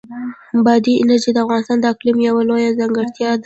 بادي انرژي د افغانستان د اقلیم یوه لویه ځانګړتیا ده.